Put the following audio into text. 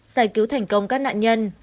giải cứu thành công các nạn nhân